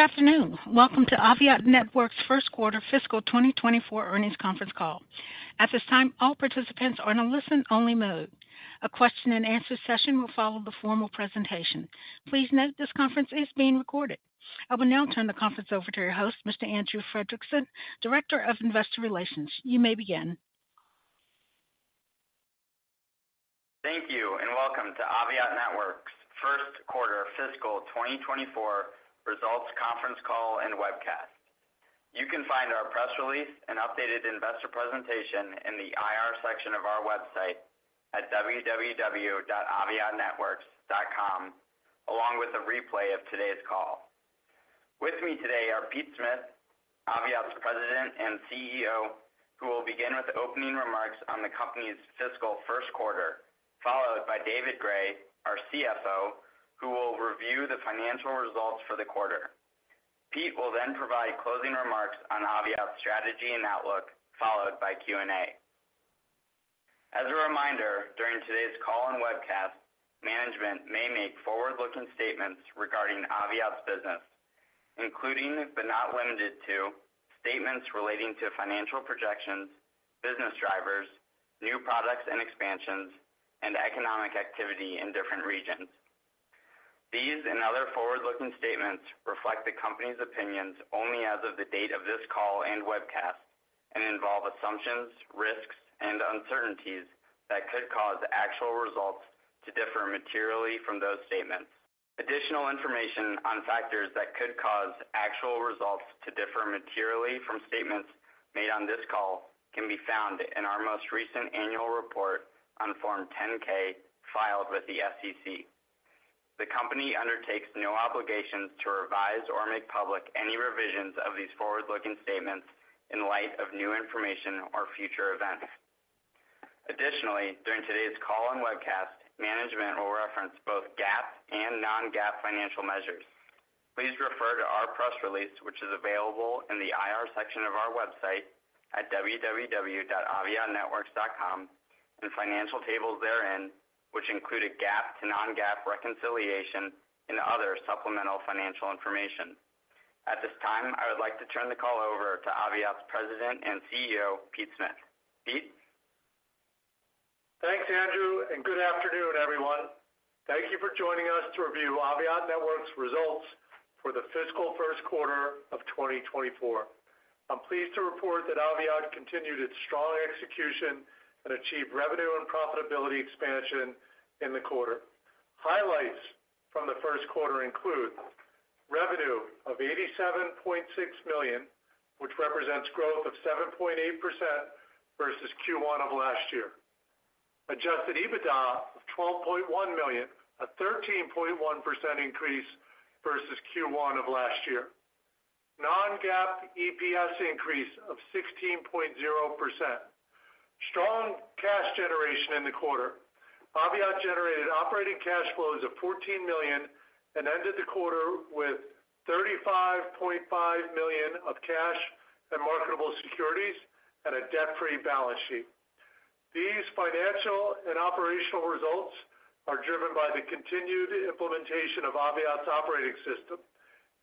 Good afternoon. Welcome to Aviat Networks' first quarter fiscal 2024 earnings conference call. At this time, all participants are in a listen-only mode. A question-and-answer session will follow the formal presentation. Please note this conference is being recorded. I will now turn the conference over to your host, Mr. Andrew Fredrickson, Director of Investor Relations. You may begin. Thank you, and welcome to Aviat Networks' first quarter fiscal 2024 results conference call and webcast. You can find our press release and updated investor presentation in the IR section of our website at www.aviatnetworks.com, along with a replay of today's call. With me today are Pete Smith, Aviat's President and CEO, who will begin with opening remarks on the company's fiscal first quarter, followed by David Gray, our CFO, who will review the financial results for the quarter. Pete will then provide closing remarks on Aviat's strategy and outlook, followed by Q&A. As a reminder, during today's call and webcast, management may make forward-looking statements regarding Aviat's business, including but not limited to statements relating to financial projections, business drivers, new products and expansions, and economic activity in different regions. These and other forward-looking statements reflect the company's opinions only as of the date of this call and webcast, and involve assumptions, risks, and uncertainties that could cause actual results to differ materially from those statements. Additional information on factors that could cause actual results to differ materially from statements made on this call can be found in our most recent annual report on Form 10-K filed with the SEC. The company undertakes no obligations to revise or make public any revisions of these forward-looking statements in light of new information or future events. Additionally, during today's call and webcast, management will reference both GAAP and non-GAAP financial measures. Please refer to our press release, which is available in the IR section of our website at www.aviatnetworks.com, and financial tables therein, which include a GAAP to non-GAAP reconciliation and other supplemental financial information. At this time, I would like to turn the call over to Aviat's President and CEO, Pete Smith. Pete? Thanks, Andrew, and good afternoon, everyone. Thank you for joining us to review Aviat Networks' results for the fiscal first quarter of 2024. I'm pleased to report that Aviat continued its strong execution and achieved revenue and profitability expansion in the quarter. Highlights from the first quarter include: revenue of $87.6 million, which represents growth of 7.8% versus Q1 of last year. Adjusted EBITDA of $12.1 million, a 13.1% increase versus Q1 of last year. Non-GAAP EPS increase of 16.0%. Strong cash generation in the quarter. Aviat generated operating cash flows of $14 million and ended the quarter with $35.5 million of cash and marketable securities and a debt-free balance sheet. These financial and operational results are driven by the continued implementation of Aviat's Operating System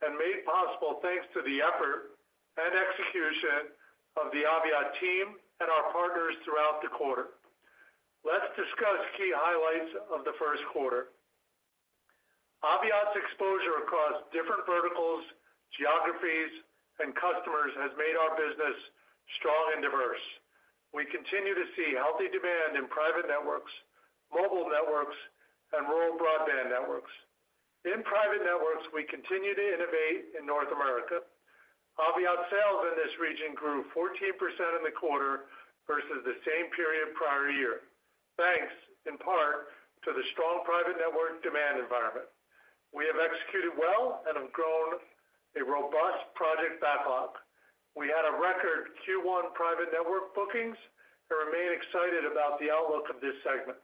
and made possible thanks to the effort and execution of the Aviat team and our partners throughout the quarter. Let's discuss key highlights of the first quarter. Aviat's exposure across different verticals, geographies, and customers has made our business strong and diverse. We continue to see healthy demand in private networks, mobile networks, and rural broadband networks. In private networks, we continue to innovate in North America. Aviat sales in this region grew 14% in the quarter versus the same period prior year, thanks in part to the strong private network demand environment. We have executed well and have grown a robust project backlog. We had a record Q1 private network bookings and remain excited about the outlook of this segment.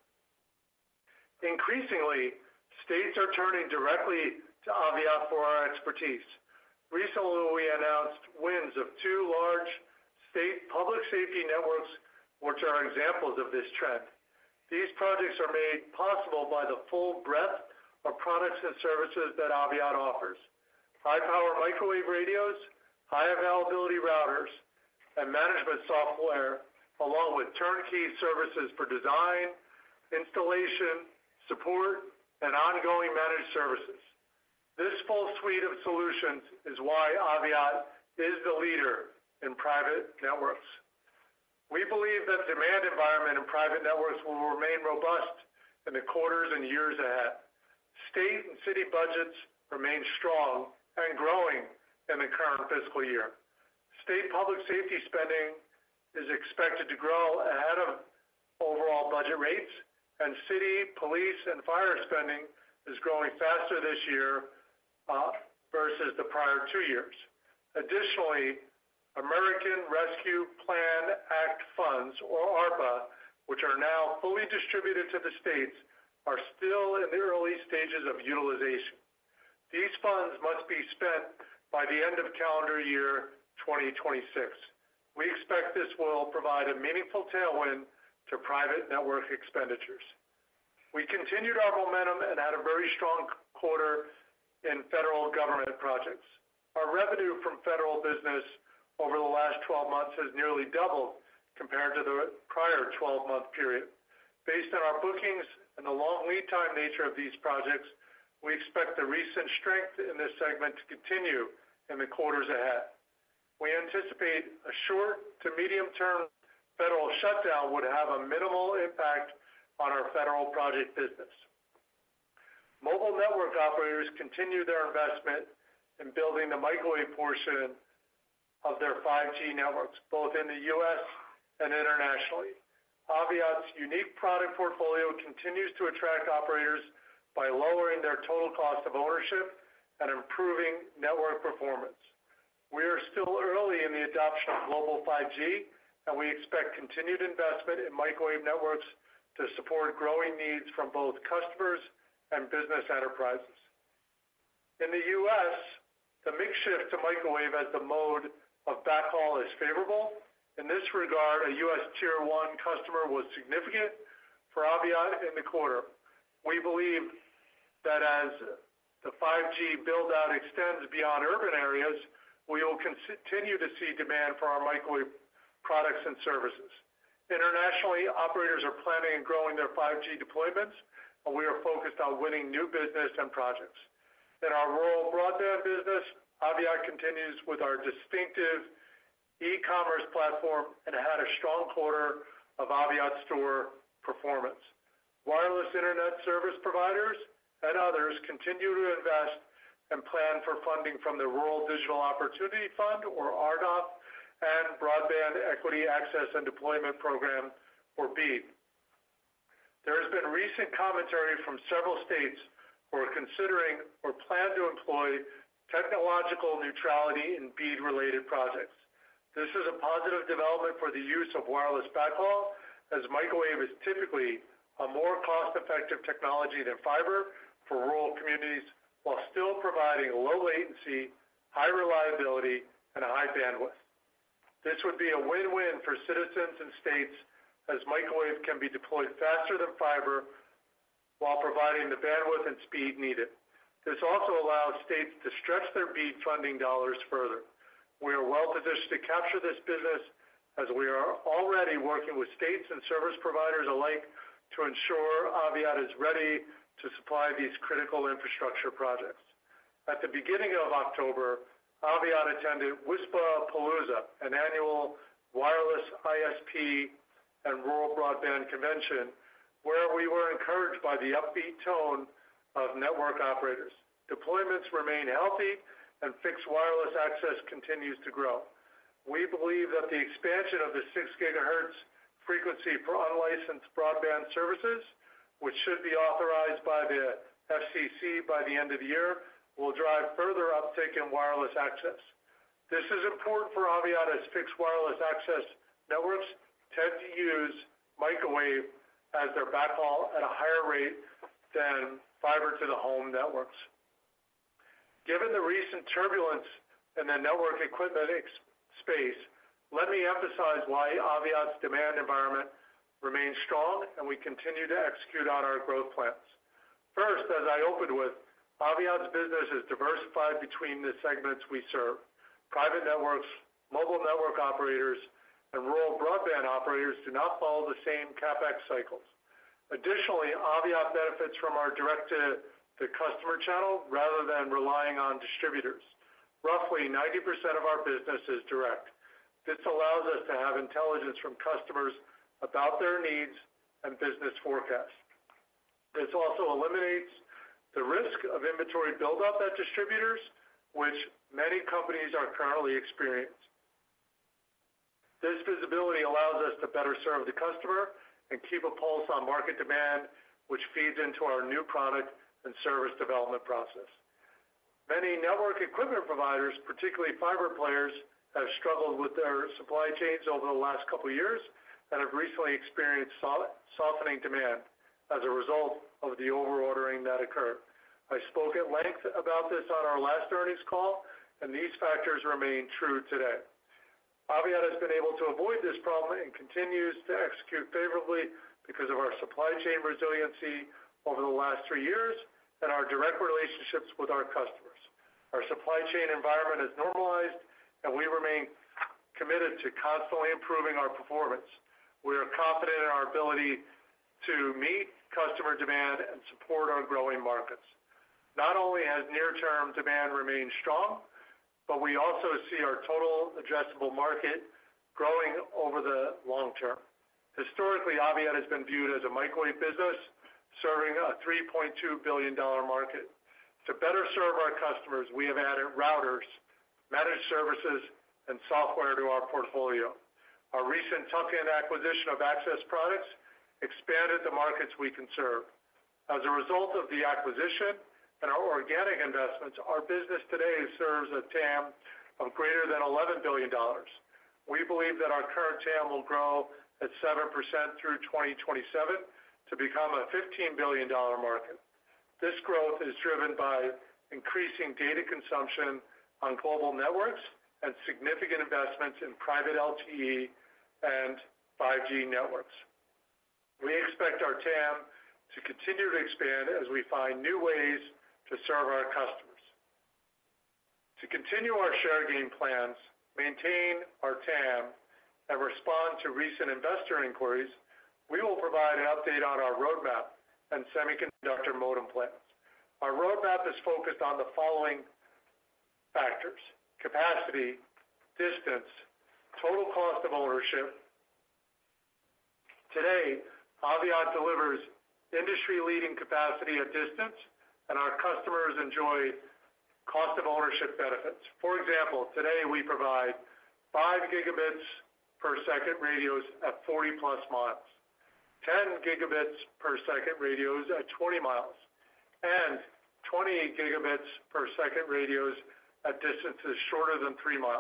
Increasingly, states are turning directly to Aviat for our expertise. Recently, we announced wins of two large state public safety networks, which are examples of this trend. These projects are made possible by the full breadth of products and services that Aviat offers: high-power microwave radios, high-availability routers, and management software, along with turnkey services for design, installation, support, and ongoing managed services. This full suite of solutions is why Aviat is the leader in private networks. We believe that the demand environment in private networks will remain robust in the quarters and years ahead. State and city budgets remain strong and growing in the current fiscal year. State public safety spending is expected to grow ahead of overall budget rates, and city, police, and fire spending is growing faster this year versus the prior two years. Additionally, American Rescue Plan Act funds, or ARPA, which are now fully distributed to the states, are still in the early stages of utilization. These funds must be spent by the end of calendar year 2026. We expect this will provide a meaningful tailwind to private network expenditures. We continued our momentum and had a very strong quarter in federal government projects. Our revenue from federal business over the last 12 months has nearly doubled compared to the prior 12-month period. Based on our bookings and the long lead time nature of these projects, we expect the recent strength in this segment to continue in the quarters ahead. We anticipate a short to medium-term federal shutdown would have a minimal impact on our federal project business. Mobile network operators continue their investment in building the microwave portion of their 5G networks, both in the U.S. and internationally. Aviat's unique product portfolio continues to attract operators by lowering their total cost of ownership and improving network performance. We are still early in the adoption of global 5G, and we expect continued investment in microwave networks to support growing needs from both customers and business enterprises. In the U.S., the mix shift to microwave as the mode of backhaul is favorable. In this regard, a U.S. Tier 1 customer was significant for Aviat in the quarter. We believe that as the 5G build-out extends beyond urban areas, we will continue to see demand for our microwave products and services. Internationally, operators are planning and growing their 5G deployments, and we are focused on winning new business and projects. In our rural broadband business, Aviat continues with our distinctive e-commerce platform and had a strong quarter of Aviat Store performance. Wireless internet service providers and others continue to invest and plan for funding from the Rural Digital Opportunity Fund, or RDOF, and Broadband Equity, Access, and Deployment program, or BEAD. There has been recent commentary from several states who are considering or plan to employ technological neutrality in BEAD-related projects. This is a positive development for the use of wireless backhaul, as microwave is typically a more cost-effective technology than fiber for rural communities, while still providing low latency, high reliability, and a high bandwidth. This would be a win-win for citizens and states as microwave can be deployed faster than fiber while providing the bandwidth and speed needed. This also allows states to stretch their BEAD funding dollars further. We are well-positioned to capture this business as we are already working with states and service providers alike to ensure Aviat is ready to supply these critical infrastructure projects. At the beginning of October, Aviat attended WISPAPALOOZA, an annual wireless ISP and rural broadband convention, where we were encouraged by the upbeat tone of network operators. Deployments remain healthy and fixed wireless access continues to grow. We believe that the expansion of the 6 GHz frequency for unlicensed broadband services, which should be authorized by the FCC by the end of the year, will drive further uptake in wireless access. This is important for Aviat as fixed wireless access networks tend to use microwave as their backhaul at a higher rate than fiber to the home networks. Given the recent turbulence in the network equipment space, let me emphasize why Aviat's demand environment remains strong and we continue to execute on our growth plans. First, as I opened with, Aviat's business is diversified between the segments we serve. Private networks, mobile network operators, and rural broadband operators do not follow the same CapEx cycles. Additionally, Aviat benefits from our direct-to-customer channel rather than relying on distributors. Roughly 90% of our business is direct. This allows us to have intelligence from customers about their needs and business forecast. This also eliminates the risk of inventory build-up at distributors, which many companies are currently experiencing. This visibility allows us to better serve the customer and keep a pulse on market demand, which feeds into our new product and service development process. Many network equipment providers, particularly fiber players, have struggled with their supply chains over the last couple of years and have recently experienced softening demand as a result of the over-ordering that occurred. I spoke at length about this on our last earnings call, and these factors remain true today. Aviat has been able to avoid this problem and continues to execute favorably because of our supply chain resiliency over the last three years and our direct relationships with our customers. Our supply chain environment is normalized, and we remain committed to constantly improving our performance. We are confident in our ability to meet customer demand and support our growing markets. Not only has near-term demand remained strong, but we also see our total addressable market growing over the long term. Historically, Aviat has been viewed as a microwave business serving a $3.2 billion market. To better serve our customers, we have added routers, managed services, and software to our portfolio. Our recent tuck-in acquisition of access products expanded the markets we can serve. As a result of the acquisition and our organic investments, our business today serves a TAM of greater than $11 billion. We believe that our current TAM will grow at 7% through 2027 to become a $15 billion market. This growth is driven by increasing data consumption on global networks and significant investments in private LTE and 5G networks. We expect our TAM to continue to expand as we find new ways to serve our customers. To continue our share gain plans, maintain our TAM, and respond to recent investor inquiries, we will provide an update on our roadmap and semiconductor modem plans. Our roadmap is focused on the following factors: capacity, distance, total cost of ownership. Today, Aviat delivers industry-leading capacity at distance, and our customers enjoy cost of ownership benefits. For example, today we provide 5 Gbps radios at 40+ mi, 10 Gbps radios at 20 mi, and 28 Gbps radios at distances shorter than 3 mi,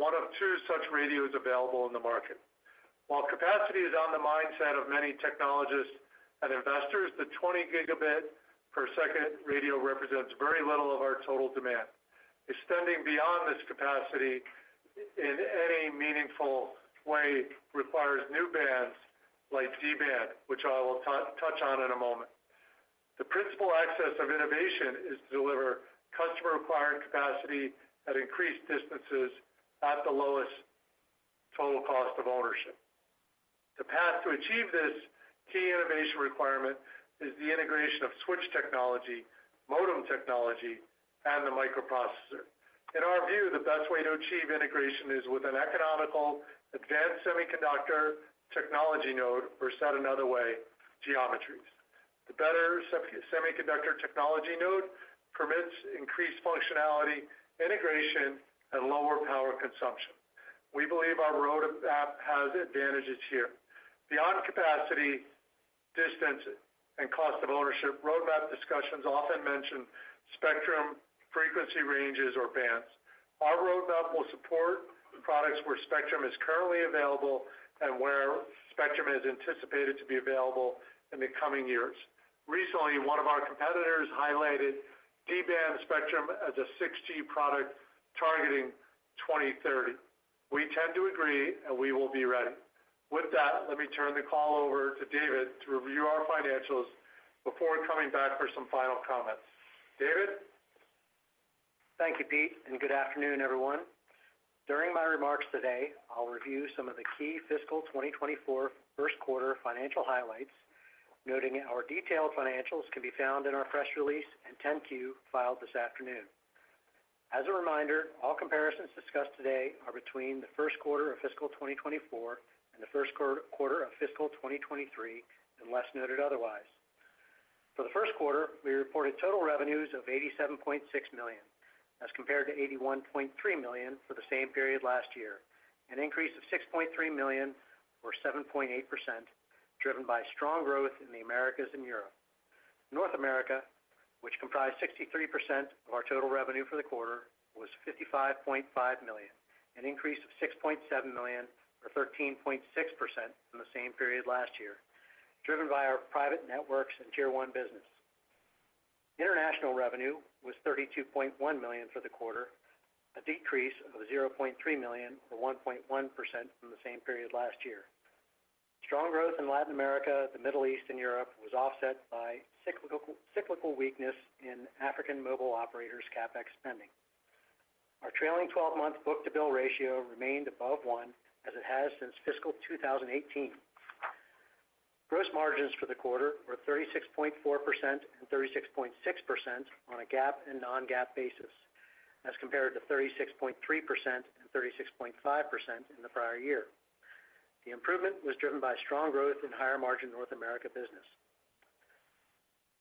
one of two such radios available in the market. While capacity is on the mindset of many technologists and investors, the 20 Gbps radio represents very little of our total demand. Extending beyond this capacity in any meaningful way requires new bands like D-band, which I will touch on in a moment. The principal axis of innovation is to deliver customer-required capacity at increased distances at the lowest total cost of ownership. The path to achieve this key innovation requirement is the integration of switch technology, modem technology, and the microprocessor. In our view, the best way to achieve integration is with an economical, advanced semiconductor technology node, or said another way, geometries. The better semiconductor technology node permits increased functionality, integration, and lower power consumption. We believe our roadmap has advantages here. Beyond capacity, distance, and cost of ownership, roadmap discussions often mention spectrum, frequency ranges, or bands. Our roadmap will support products where spectrum is currently available and where spectrum is anticipated to be available in the coming years. Recently, one of our competitors highlighted D-band spectrum as a 6G product targeting 2030. We tend to agree, and we will be ready. With that, let me turn the call over to David to review our financials before coming back for some final comments. David? Thank you, Pete, and good afternoon, everyone. During my remarks today, I'll review some of the key fiscal 2024 first quarter financial highlights, noting our detailed financials can be found in our press release and 10-Q filed this afternoon. As a reminder, all comparisons discussed today are between the first quarter of fiscal 2024 and the first quarter of fiscal 2023, unless noted otherwise. For the first quarter, we reported total revenues of $87.6 million, as compared to $81.3 million for the same period last year, an increase of $6.3 million, or 7.8%, driven by strong growth in the Americas and Europe. North America, which comprised 63% of our total revenue for the quarter, was $55.5 million, an increase of $6.7 million, or 13.6% from the same period last year, driven by our private networks and Tier 1 business. International revenue was $32.1 million for the quarter, a decrease of $0.3 million, or 1.1% from the same period last year. Strong growth in Latin America, the Middle East and Europe was offset by cyclical weakness in African mobile operators' CapEx spending. Our trailing twelve-month book-to-bill ratio remained above 1, as it has since fiscal 2018. Gross margins for the quarter were 36.4% and 36.6% on a GAAP and non-GAAP basis, as compared to 36.3% and 36.5% in the prior year. The improvement was driven by strong growth in higher-margin North America business.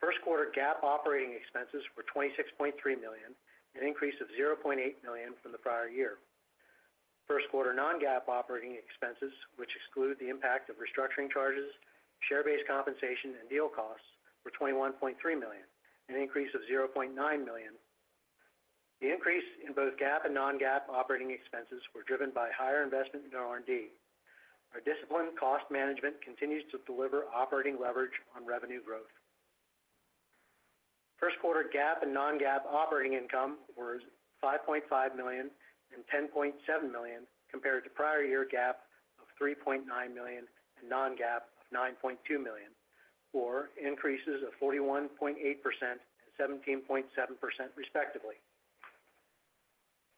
First quarter GAAP operating expenses were $26.3 million, an increase of $0.8 million from the prior year. First quarter non-GAAP operating expenses, which exclude the impact of restructuring charges, share-based compensation and deal costs, were $21.3 million, an increase of $0.9 million. The increase in both GAAP and non-GAAP operating expenses were driven by higher investment in R&D. Our disciplined cost management continues to deliver operating leverage on revenue growth. First quarter GAAP and non-GAAP operating income was $5.5 million and $10.7 million, compared to prior year GAAP of $3.9 million and non-GAAP of $9.2 million, or increases of 41.8% and 17.7% respectively.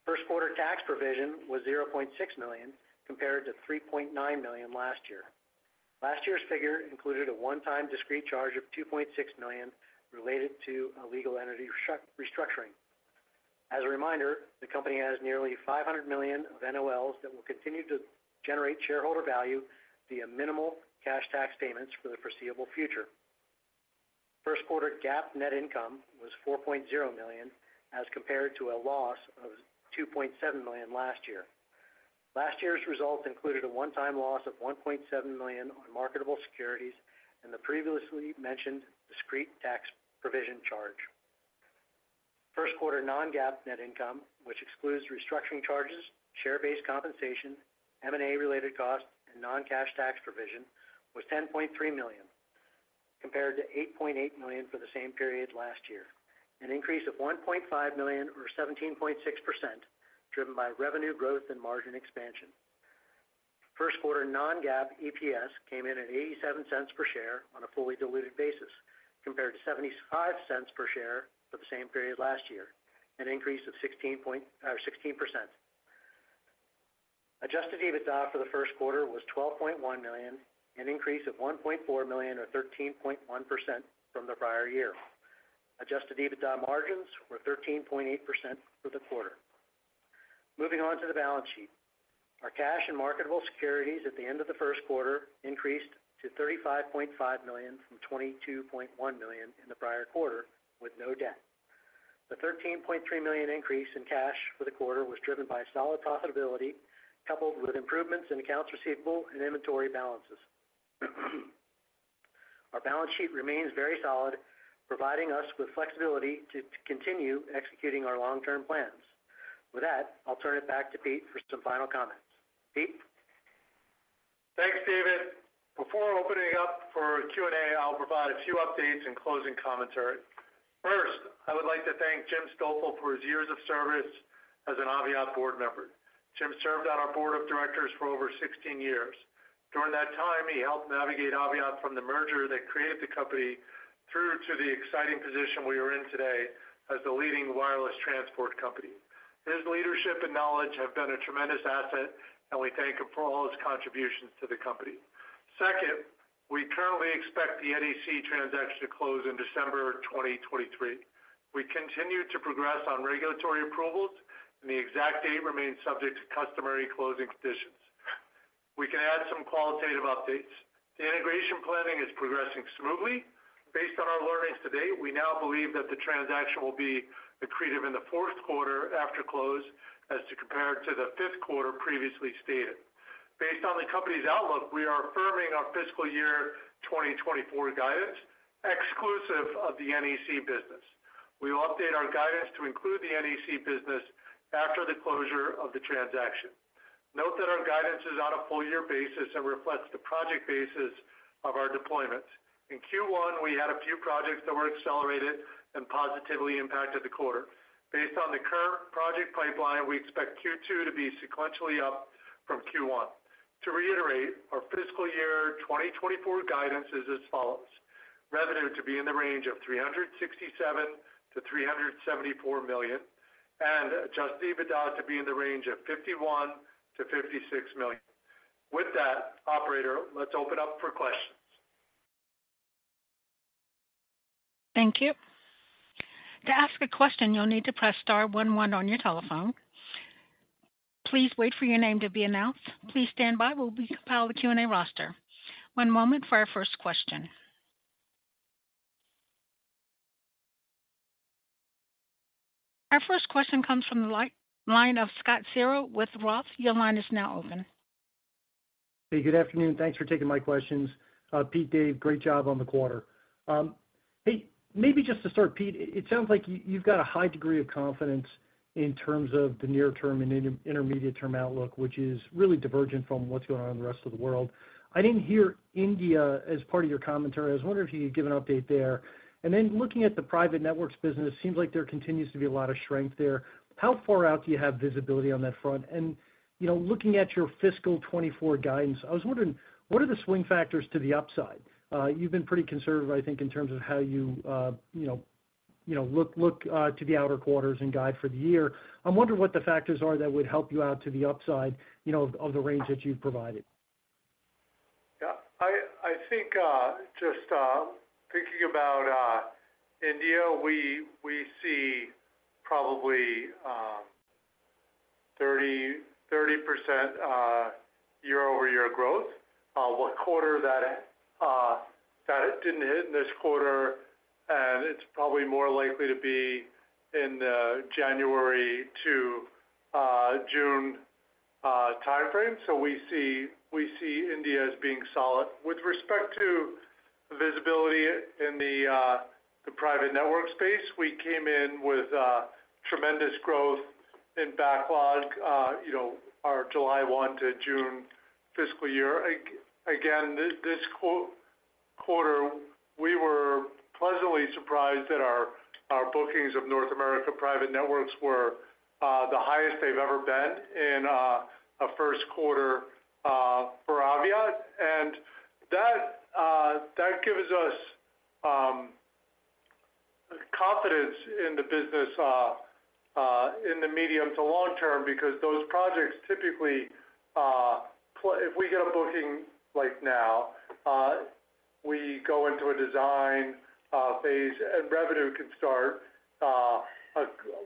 First quarter tax provision was $0.6 million, compared to $3.9 million last year. Last year's figure included a one-time discrete charge of $2.6 million related to a legal entity restructuring. As a reminder, the company has nearly $500 million of NOLs that will continue to generate shareholder value via minimal cash tax payments for the foreseeable future. First quarter GAAP net income was $4.0 million, as compared to a loss of $2.7 million last year. Last year's results included a one-time loss of $1.7 million on marketable securities and the previously mentioned discrete tax provision charge. First quarter non-GAAP net income, which excludes restructuring charges, share-based compensation, M&A-related costs, and non-cash tax provision, was $10.3 million, compared to $8.8 million for the same period last year, an increase of $1.5 million or 17.6%, driven by revenue growth and margin expansion. First quarter non-GAAP EPS came in at $0.87 per share on a fully diluted basis, compared to $0.75 per share for the same period last year, an increase of 16.6%. Adjusted EBITDA for the first quarter was $12.1 million, an increase of $1.4 million or 13.1% from the prior year. Adjusted EBITDA margins were 13.8% for the quarter. Moving on to the balance sheet. Our cash and marketable securities at the end of the first quarter increased to $35.5 million from $22.1 million in the prior quarter, with no debt. The $13.3 million increase in cash for the quarter was driven by solid profitability, coupled with improvements in accounts receivable and inventory balances. Our balance sheet remains very solid, providing us with flexibility to continue executing our long-term plans. With that, I'll turn it back to Pete for some final comments. Pete? Thanks, David. Before opening up for Q&A, I'll provide a few updates and closing commentary. First, I would like to thank Jim Stoffel for his years of service as an Aviat board member. Jim served on our board of directors for over 16 years. During that time, he helped navigate Aviat from the merger that created the company through to the exciting position we are in today as the leading wireless transport company. His leadership and knowledge have been a tremendous asset, and we thank him for all his contributions to the company. Second, we currently expect the NEC transaction to close in December 2023. We continue to progress on regulatory approvals, and the exact date remains subject to customary closing conditions. We can add some qualitative updates. The integration planning is progressing smoothly. Based on our learnings to date, we now believe that the transaction will be accretive in the fourth quarter after close, as compared to the fifth quarter previously stated. Based on the company's outlook, we are affirming our fiscal year 2024 guidance, exclusive of the NEC business. We will update our guidance to include the NEC business after the closure of the transaction. Note that our guidance is on a full year basis and reflects the project basis of our deployments. In Q1, we had a few projects that were accelerated and positively impacted the quarter. Based on the current project pipeline, we expect Q2 to be sequentially up from Q1. To reiterate, our fiscal year 2024 guidance is as follows: revenue to be in the range of $367 million-$374 million, and Adjusted EBITDA to be in the range of $51 million-$56 million. With that, operator, let's open up for questions. Thank you. To ask a question, you'll need to press star one one on your telephone. Please wait for your name to be announced. Please stand by, we'll be compiling the Q&A roster. One moment for our first question. Our first question comes from the line of Scott Searle with Roth. Your line is now open. Hey, good afternoon. Thanks for taking my questions. Pete, Dave, great job on the quarter. Hey, maybe just to start, Pete, it sounds like you've got a high degree of confidence in terms of the near term and intermediate term outlook, which is really divergent from what's going on in the rest of the world. I didn't hear India as part of your commentary. I was wondering if you could give an update there. And then looking at the private networks business, seems like there continues to be a lot of strength there. How far out do you have visibility on that front? And, you know, looking at your fiscal 2024 guidance, I was wondering, what are the swing factors to the upside? You've been pretty conservative, I think, in terms of how you you know look to the outer quarters and guide for the year. I'm wondering what the factors are that would help you out to the upside, you know, of the range that you've provided. Yeah, I think, just thinking about India, we see probably 30% year-over-year growth. What quarter that it didn't hit in this quarter, and it's probably more likely to be in the January to June timeframe. We see India as being solid. With respect to visibility in the private network space, we came in with tremendous growth in backlog, you know, our July 1 to June fiscal year. Again, this quarter, we were pleasantly surprised that our bookings of North America private networks were the highest they've ever been in a first quarter for Aviat. And that gives us confidence in the business in the medium to long term, because those projects typically if we get a booking like now, we go into a design phase, and revenue can start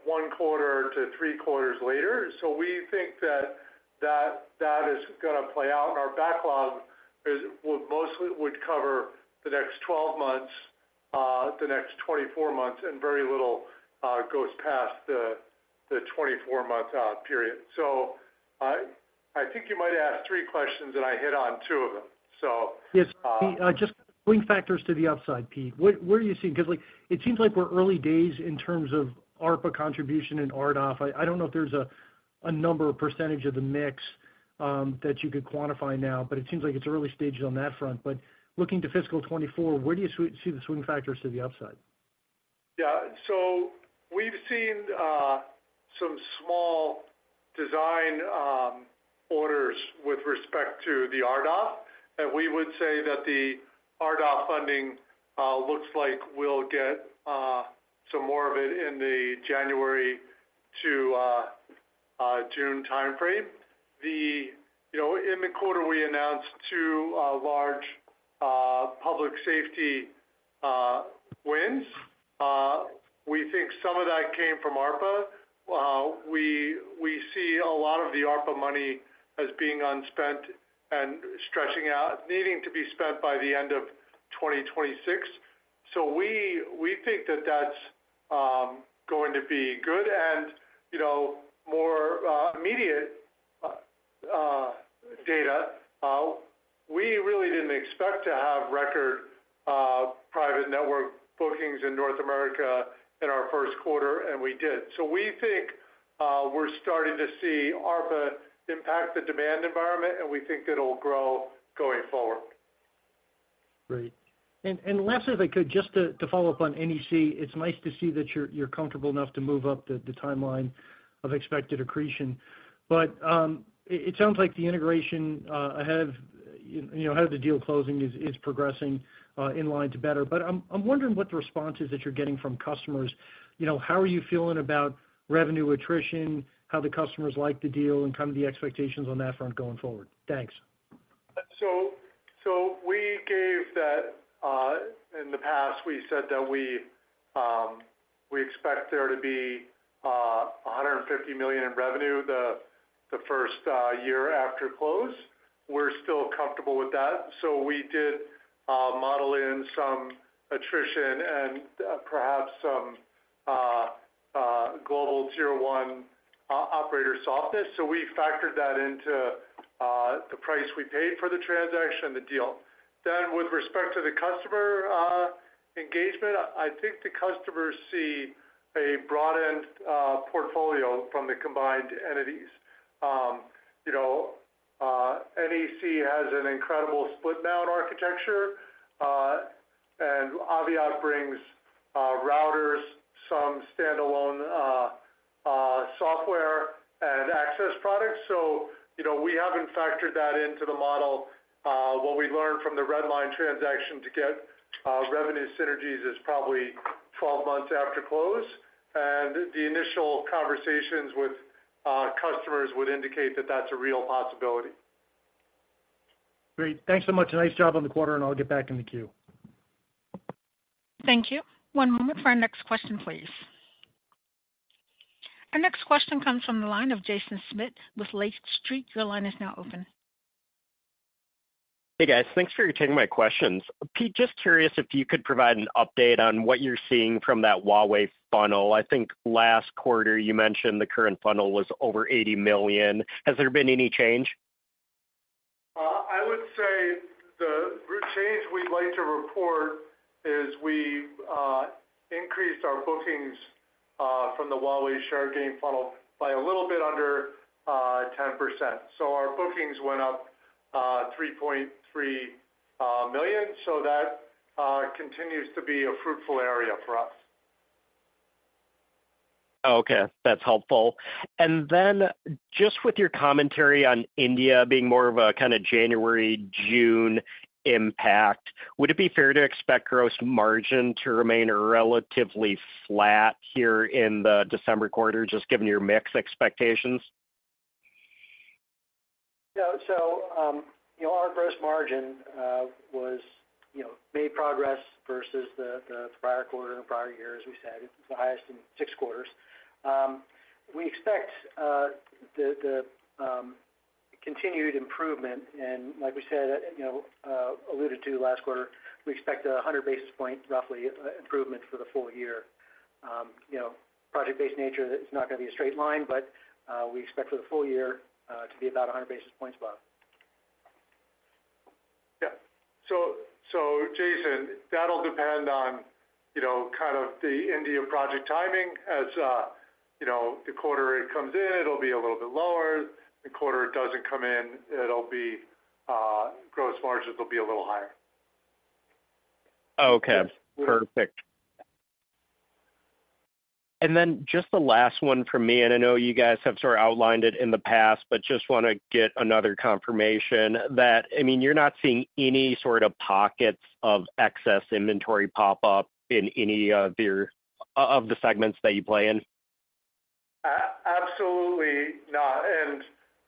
one quarter to three quarters later. So we think that is gonna play out, and our backlog is well, mostly would cover the next 12 months, the next 24 months, and very little goes past the 24-month period. So I think you might ask three questions, and I hit on two of them. So... Yes. Just swing factors to the upside, Pete, what, what are you seeing? Because, like, it seems like we're early days in terms of ARPA contribution and RDOF. I don't know if there's a number or percentage of the mix that you could quantify now, but it seems like it's early stages on that front. But looking to fiscal 2024, where do you see the swing factors to the upside? Yeah. So we've seen some small design orders with respect to the RDOF, and we would say that the RDOF funding looks like we'll get some more of it in the January to June time frame. You know, in the quarter, we announced two large public safety wins. We think some of that came from ARPA. We see a lot of the ARPA money as being unspent and stretching out, needing to be spent by the end of 2026. So we think that's going to be good and, you know, more immediate data. We really didn't expect to have record private network bookings in North America in our first quarter, and we did. So we think, we're starting to see ARPA impact the demand environment, and we think it'll grow going forward. Great. Lastly, if I could, just to follow up on NEC, it's nice to see that you're comfortable enough to move up the timeline of expected accretion. But it sounds like the integration ahead of, you know, ahead of the deal closing is progressing in line to better. But I'm wondering what the response is that you're getting from customers. You know, how are you feeling about revenue attrition, how the customers like the deal and kind of the expectations on that front going forward? Thanks. So we gave that in the past, we said that we expect there to be $150 million in revenue the first year after close. We're still comfortable with that. So we did model in some attrition and perhaps some global Tier 1 operators softness. So we factored that into the price we paid for the transaction, the deal. Then, with respect to the customer engagement, I think the customers see a broad end portfolio from the combined entities. You know, NEC has an incredible split mount architecture and Aviat brings routers, some standalone software and access products. So, you know, we haven't factored that into the model. What we learned from the Redline transaction to get revenue synergies is probably 12 months after close, and the initial conversations with our customers would indicate that that's a real possibility. Great. Thanks so much. Nice job on the quarter, and I'll get back in the queue. Thank you. One moment for our next question, please. Our next question comes from the line of Jaeson Schmidt with Lake Street. Your line is now open. Hey, guys. Thanks for taking my questions. Pete, just curious if you could provide an update on what you're seeing from that Huawei funnel. I think last quarter you mentioned the current funnel was over $80 million. Has there been any change? I would say the change we'd like to report is we've increased our bookings from the Huawei share gain funnel by a little bit under 10%. So our bookings went up $3.3 million. So that continues to be a fruitful area for us. Okay, that's helpful. And then just with your commentary on India being more of a kind of January, June impact, would it be fair to expect gross margin to remain relatively flat here in the December quarter, just given your mix expectations? Yeah, so, you know, our gross margin was, you know, made progress versus the prior quarter and the prior year. As we said, it's the highest in six quarters. We expect the continued improvement and like we said, you know, alluded to last quarter, we expect 100 basis point, roughly, improvement for the full year. You know, project-based nature, it's not gonna be a straight line, but we expect for the full year to be about 100 basis points above. Yeah. So, Jaeson, that'll depend on, you know, kind of the India project timing. As you know, the quarter it comes in, it'll be a little bit lower. The quarter it doesn't come in, it'll be gross margins will be a little higher. Okay, perfect. And then just the last one from me, and I know you guys have sort of outlined it in the past, but just want to get another confirmation that, I mean, you're not seeing any sort of pockets of excess inventory pop up in any of your segments that you play in? Absolutely not. And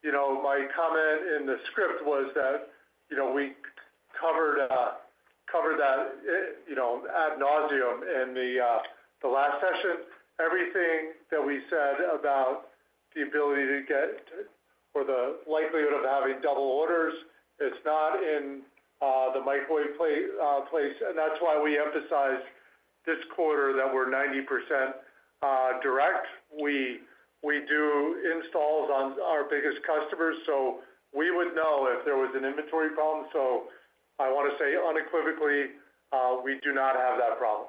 you know, my comment in the script was that, you know, we covered that, it, you know, ad nauseam in the last session. Everything that we said about the ability to get or the likelihood of having double orders. It's not in the microwave place, and that's why we emphasize this quarter that we're 90% direct. We do installs on our biggest customers, so we would know if there was an inventory problem. So I want to say unequivocally, we do not have that problem.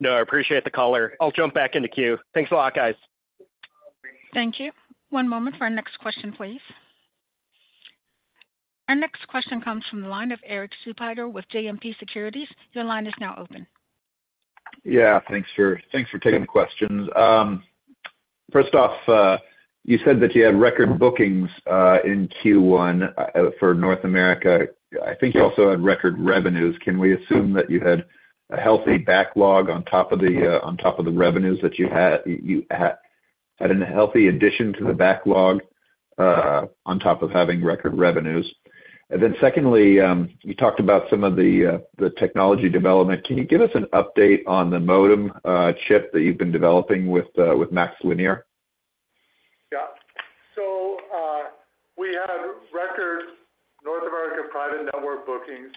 No, I appreciate the color. I'll jump back in the queue. Thanks a lot, guys. Thank you. One moment for our next question, please. Our next question comes from the line of Erik Suppiger with JMP Securities. Your line is now open. Yeah, thanks for taking the questions. First off, you said that you had record bookings in Q1 for North America. I think you also had record revenues. Can we assume that you had a healthy backlog on top of the revenues that you had—you had a healthy addition to the backlog on top of having record revenues? And then secondly, you talked about some of the technology development. Can you give us an update on the modem chip that you've been developing with MaxLinear? Yeah. So, we had record North American private network bookings.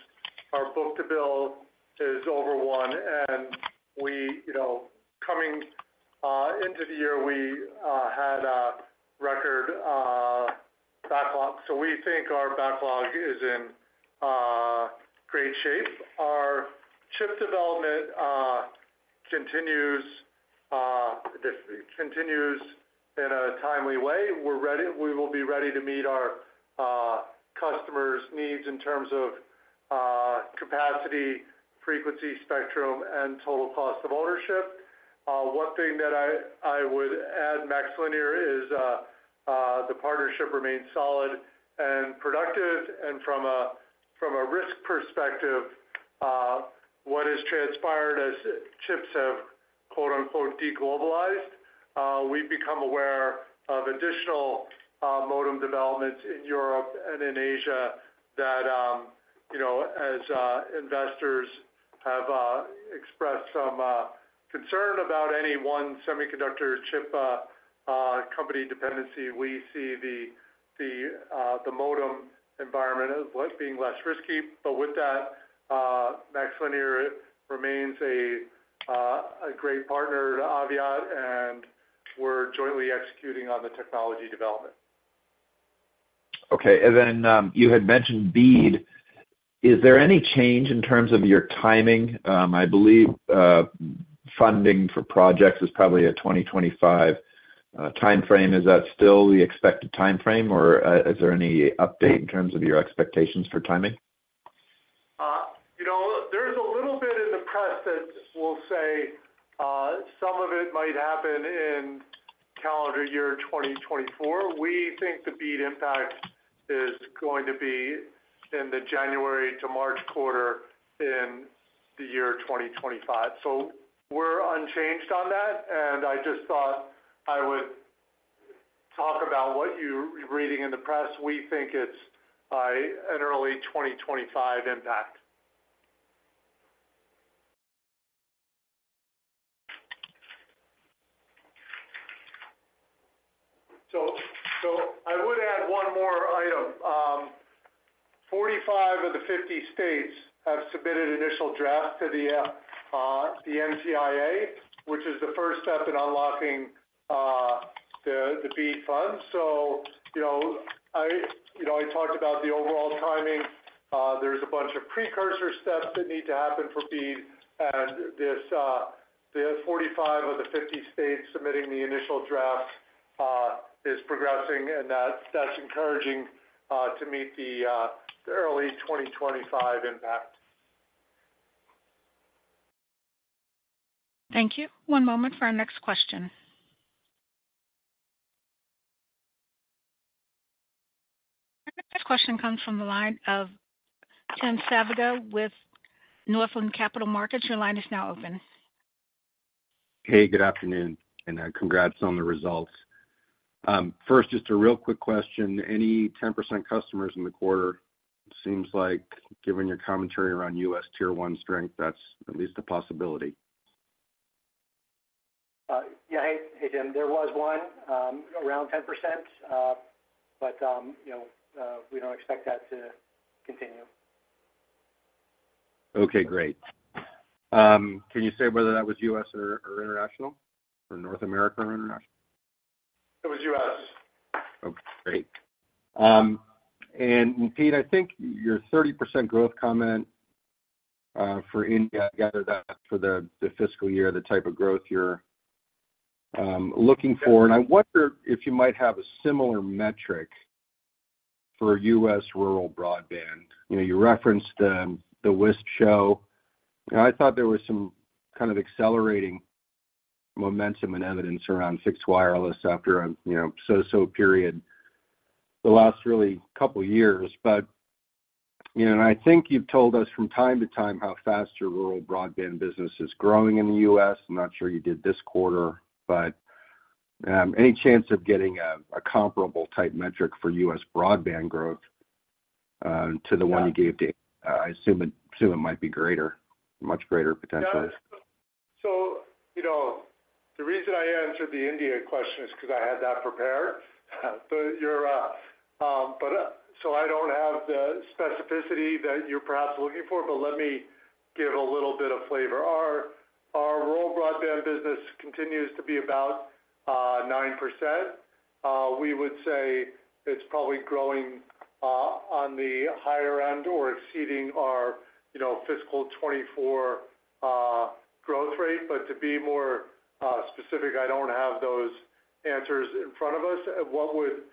Our book-to-bill is over 1, and we, you know, coming into the year, we had a record backlog. So we think our backlog is in great shape. Our chip development continues in a timely way. We will be ready to meet our customers' needs in terms of capacity, frequency, spectrum, and total cost of ownership. One thing that I would add, MaxLinear, is the partnership remains solid and productive. From a risk perspective, what has transpired as chips have "deglobalized," we've become aware of additional modem developments in Europe and in Asia that, you know, as investors have expressed some concern about any one semiconductor chip company dependency, we see the modem environment as being less risky. But with that, MaxLinear remains a great partner to Aviat, and we're jointly executing on the technology development. Okay. And then, you had mentioned BEAD. Is there any change in terms of your timing? I believe funding for projects is probably a 2025 time frame. Is that still the expected time frame, or is there any update in terms of your expectations for timing? You know, there's a little bit in the press that will say some of it might happen in calendar year 2024. We think the BEAD impact is going to be in the January to March quarter in the year 2025. So we're unchanged on that, and I just thought I would talk about what you're reading in the press. We think it's an early 2025 impact. So I would add one more item. 45 of the 50 states have submitted initial draft to the NTIA, which is the first step in unlocking the BEAD funds. So, you know, I talked about the overall timing. There's a bunch of precursor steps that need to happen for BEAD, and this 45 of the 50 states submitting the initial draft is progressing, and that's encouraging to meet the early 2025 impact. Thank you. One moment for our next question. Our next question comes from the line of Tim Savageaux with Northland Capital Markets. Your line is now open. Hey, good afternoon, and congrats on the results. First, just a real quick question. Any 10% customers in the quarter? Seems like given your commentary around U.S. Tier 1 strength, that's at least a possibility. Yeah. Hey, Tim, there was one around 10%. But you know, we don't expect that to continue. Okay, great. Can you say whether that was U.S. or international? Or North America or international? It was U.S. Okay, great. And Pete, I think your 30% growth comment for India, I gather that's for the fiscal year, the type of growth you're looking for. And I wonder if you might have a similar metric for U.S. rural broadband. You know, you referenced the WISP show, and I thought there was some kind of accelerating momentum and evidence around fixed wireless after a, you know, so-so period the last really couple of years. But, you know, and I think you've told us from time to time how fast your rural broadband business is growing in the US. I'm not sure you did this quarter, but any chance of getting a comparable type metric for U.S. broadband growth? To the one you gave today, I assume it might be greater, much greater potentially. You know, the reason I answered the India question is because I had that prepared. You're, but I don't have the specificity that you're perhaps looking for, but let me give a little bit of flavor. Our rural broadband business continues to be about 9%. We would say it's probably growing on the higher end or exceeding our, you know, fiscal 2024 growth rate. To be more specific, I don't have those answers in front of us. What would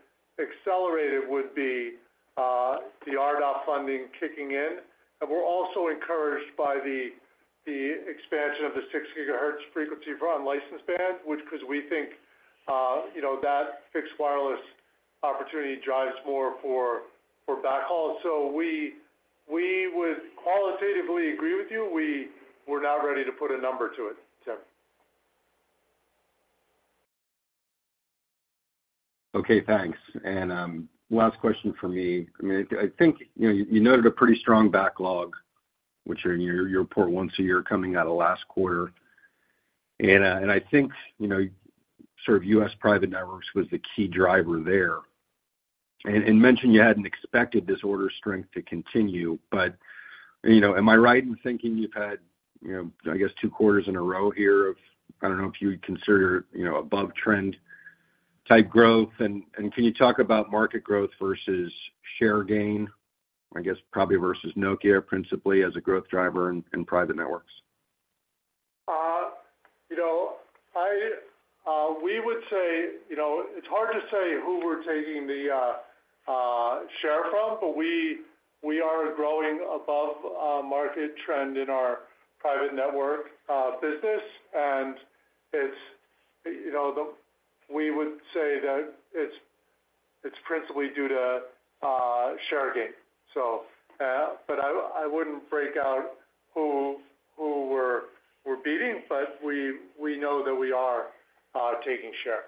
accelerate it would be the RDOF funding kicking in. We're also encouraged by the expansion of the 6 GHz frequency for unlicensed band, which, because we think, you know, that fixed wireless opportunity drives more for backhaul. We would qualitatively agree with you. We're not ready to put a number to it, Tim. Okay, thanks. And last question for me. I mean, I think, you know, you noted a pretty strong backlog, which are in your report once a year coming out of last quarter. And I think, you know, sort of U.S. private networks was the key driver there. And mentioned you hadn't expected this order strength to continue, but, you know, am I right in thinking you've had, you know, I guess, two quarters in a row here of, I don't know if you would consider, you know, above trend type growth? And can you talk about market growth versus share gain, I guess, probably versus Nokia, principally as a growth driver in private networks? You know, we would say, you know, it's hard to say who we're taking the share from, but we are growing above market trend in our private network business. And it's, you know, the-- we would say that it's principally due to share gain. So, but I wouldn't break out who we're beating, but we know that we are taking share.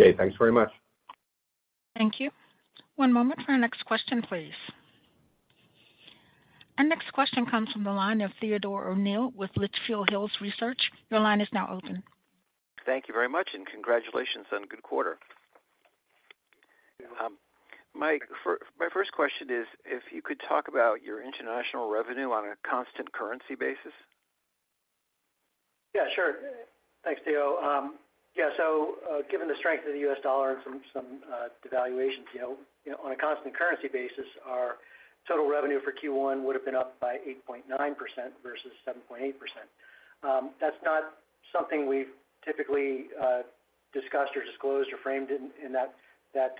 Okay, thanks very much. Thank you. One moment for our next question, please. Our next question comes from the line of Theodore O'Neill with Litchfield Hills Research. Your line is now open. Thank you very much, and congratulations on a good quarter. My first question is, if you could talk about your international revenue on a constant currency basis. Yeah, sure. Thanks, Theo. Yeah, so, given the strength of the U.S. dollar and some, some, devaluations, you know, you know, on a constant currency basis, our total revenue for Q1 would have been up by 8.9% versus 7.8%. That's not something we've typically discussed or disclosed or framed in, in that, that,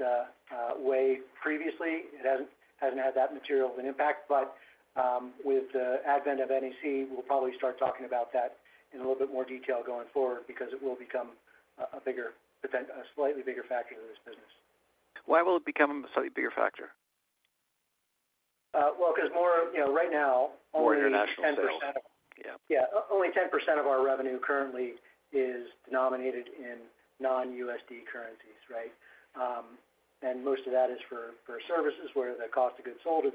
way previously. It hasn't, hasn't had that material of an impact, but, with the advent of NEC, we'll probably start talking about that in a little bit more detail going forward, because it will become a, a bigger, a slightly bigger factor in this business. Why will it become a slightly bigger factor? Well, because more, you know, right now, only 10%- More international sales. Yeah. Yeah. Only 10% of our revenue currently is denominated in non-USD currencies, right? And most of that is for services, where the cost of goods sold is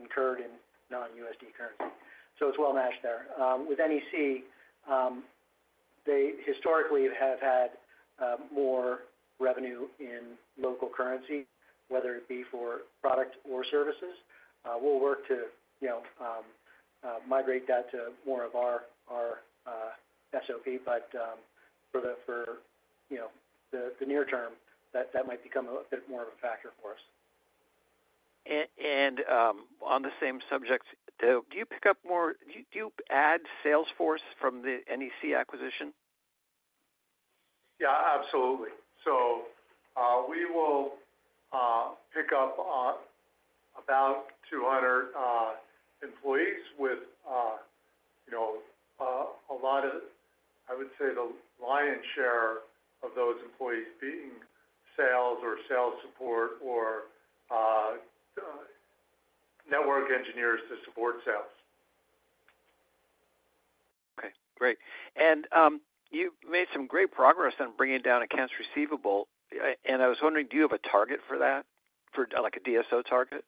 incurred in non-USD currency. So it's well matched there. With NEC, they historically have had more revenue in local currency, whether it be for product or services. We'll work to, you know, migrate that to more of our SOP, but for the near term, that might become a bit more of a factor for us. On the same subject, do you add sales force from the NEC acquisition? Yeah, absolutely. So, we will pick up about 200 employees with, you know, a lot of, I would say, the lion's share of those employees being sales or sales support or network engineers to support sales. Okay, great. You made some great progress on bringing down accounts receivable. I was wondering, do you have a target for that? For like a DSO target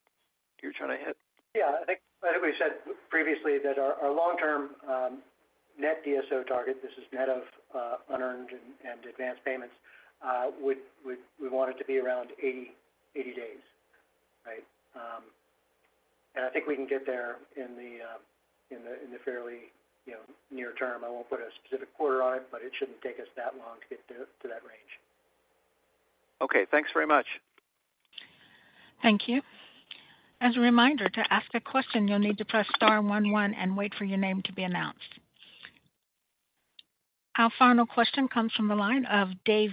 you're trying to hit? Yeah, I think we said previously that our long-term net DSO target, this is net of unearned and advanced payments, would we want it to be around 80 days, right? And I think we can get there in the fairly, you know, near term. I won't put a specific quarter on it, but it shouldn't take us that long to get to that range. Okay, thanks very much. Thank you. As a reminder, to ask a question, you'll need to press star one one and wait for your name to be announced. Our final question comes from the line of Dave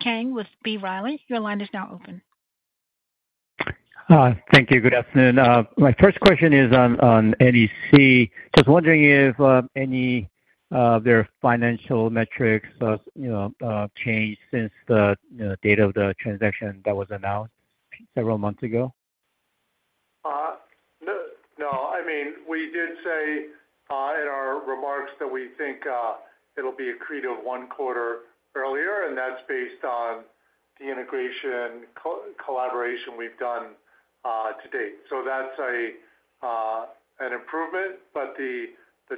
Kang with B. Riley. Your line is now open. Hi. Thank you. Good afternoon. My first question is on, on NEC. Just wondering if any of their financial metrics, you know, changed since the, you know, date of the transaction that was announced several months ago? No, I mean, we did say in our remarks that we think it'll be accretive one quarter earlier, and that's based on the integration co-collaboration we've done to date. So that's an improvement, but the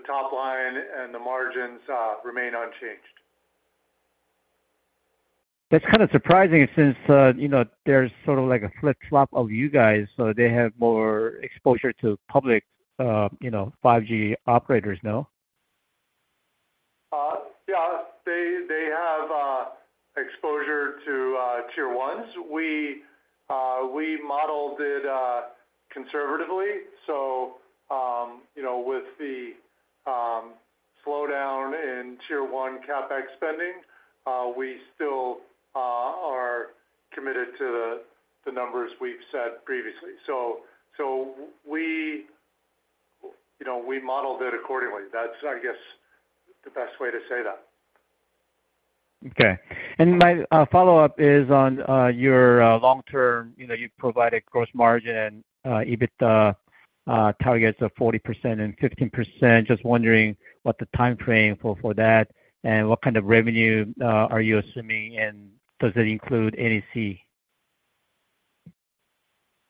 top line and the margins remain unchanged. That's kind of surprising since, you know, there's sort of like a flip-flop of you guys, so they have more exposure to public, you know, 5G operators, no? Yeah, they have exposure to Tier 1s. We modeled it conservatively, so you know, with the slowdown in Tier 1 CapEx spending, we still are committed to the numbers we've said previously. So we, you know, modeled it accordingly. That's, I guess, the best way to say that. Okay. And my follow-up is on your long term. You know, you've provided gross margin and EBITDA targets of 40% and 15%. Just wondering what the time frame for that, and what kind of revenue are you assuming, and does it include NEC?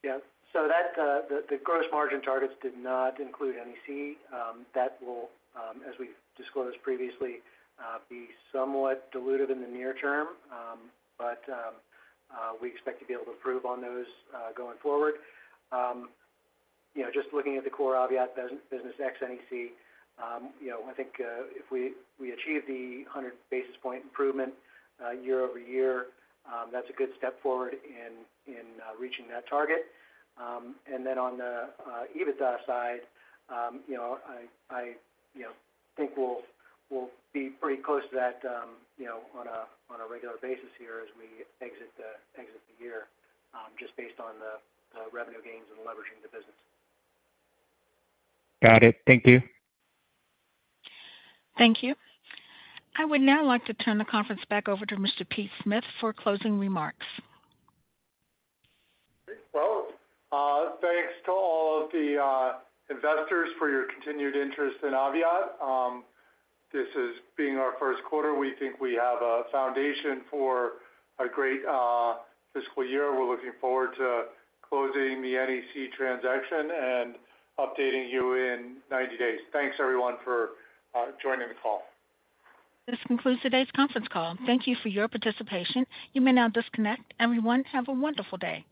Yeah. So that, the gross margin targets did not include NEC. That will, as we've disclosed previously, be somewhat dilutive in the near term. But, we expect to be able to improve on those, going forward. You know, just looking at the core Aviat business, ex NEC, you know, I think, if we achieve the 100 basis point improvement, year-over-year, that's a good step forward in reaching that target. And then on the EBITDA side, you know, I think we'll be pretty close to that, you know, on a regular basis here as we exit the year, just based on the revenue gains and leveraging the business. Got it. Thank you. Thank you. I would now like to turn the conference back over to Mr. Pete Smith for closing remarks. Great. Well, thanks to all of the investors for your continued interest in Aviat. This is being our first quarter. We think we have a foundation for a great fiscal year. We're looking forward to closing the NEC transaction and updating you in 90 days. Thanks, everyone, for joining the call. This concludes today's conference call. Thank you for your participation. You may now disconnect. Everyone, have a wonderful day.